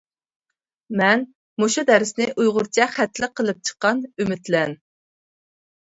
مەن مۇشۇ دەرسنى ئۇيغۇرچە خەتلىك قىلىپ چىققان ئۈمىدلەن!